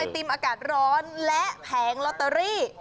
ติมอากาศร้อนและแผงลอตเตอรี่